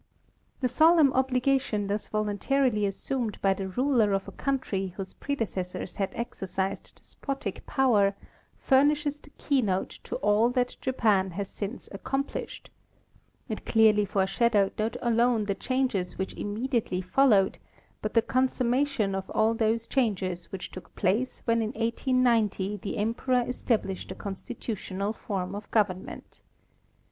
The solemn obligation thus voluntarily assumed by the ruler of a country whose predecessors had exercised despotic power furnishes the keynote to all that Japan has since accomplished, It clearly foreshadowed not alone the changes which immediately followed, but the consummation of all those changes which took place when in 1890 the Emperor established a constitutional form of government.